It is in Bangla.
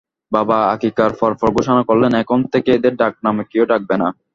বাবা আকিকার পরপর ঘোষণা করলেন, এখন থেকে এদের ডাকনামে কেউ ডাকবে না।